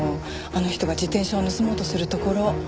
あの人が自転車を盗もうとするところ。